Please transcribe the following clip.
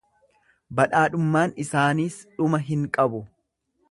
Badhaadhummaan isaaniis dhuma hin qabu.